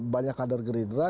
banyak kader gerindra